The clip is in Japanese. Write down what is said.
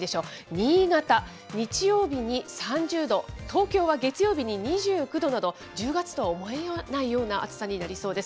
新潟、日曜日に３０度、東京は月曜日に２９度など、１０月とは思えないような暑さになりそうです。